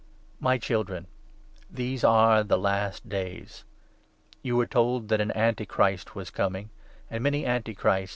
My Children, these are the last days. You 18 werc to'^ tnat an Anti Christ was coming ; and many Anti Christs have already arisen.